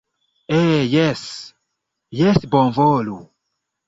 Eh jes, jes bonvolu